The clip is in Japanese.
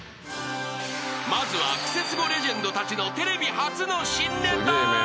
［まずはクセスゴレジェンドたちのテレビ初の新ネタ］